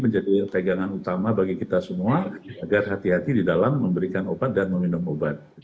jadi tegangan utama bagi kita semua agar hati hati di dalam memberikan obat dan meminum obat